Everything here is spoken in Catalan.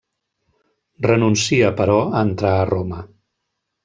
Renuncia, però, a entrar a Roma.